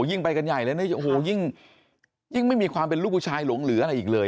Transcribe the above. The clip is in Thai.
ยิ่งไปกันใหญ่เลยโอ้โหยิ่งไม่มีความเป็นลูกผู้ชายหลงเหลืออะไรอีกเลย